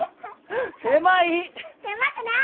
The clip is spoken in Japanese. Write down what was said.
狭くない。